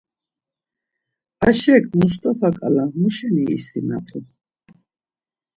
Aşek Mustava ǩala mu şeni isinapu?